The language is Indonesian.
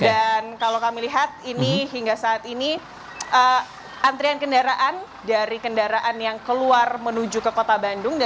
dan kalau kami lihat ini hingga saat ini antrian kendaraan dari kendaraan yang keluar menuju ke kota bandung